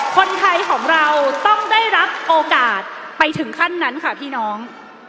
คนไทยของเราต้องได้รับโอกาสไปถึงขั้นนั้นค่ะพี่น้อง